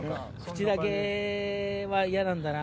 口だけは嫌なんだな